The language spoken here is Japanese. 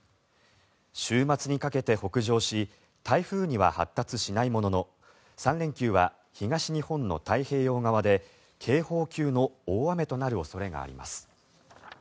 週末にかけて北上し台風には発達しないものの３連休は東日本の太平洋側で警報級の大雨となる恐れがあります。